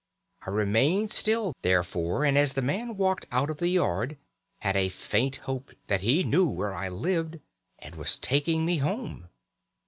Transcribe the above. I remained still therefore, and as the man walked out of the yard had a faint hope that he knew where I lived and was taking me home.